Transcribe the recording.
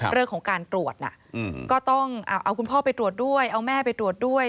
เรื่องของการตรวจก็ต้องเอาคุณพ่อไปตรวจด้วยเอาแม่ไปตรวจด้วย